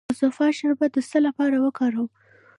د زوفا شربت د څه لپاره وکاروم؟